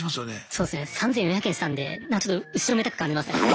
そうですね３４００円したんでちょっと後ろめたく感じましたね。